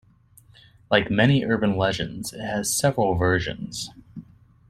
Like many urban legends, it has several versions.